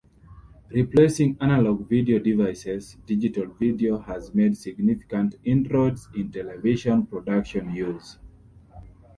Replacing analog video devices, digital video has made significant inroads in television production use.